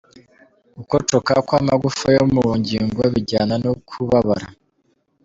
Gukocoka kw’amagufa yo mu ngingo bijyana no kubabara.